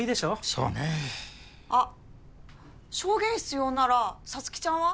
そうねえあっ証言必要なら沙月ちゃんは？